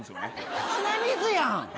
鼻水やん。